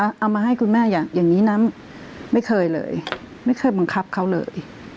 เอามาให้คุณแม่อย่างอย่างนี้นะไม่เคยเลยไม่เคยบังคับเขาเลย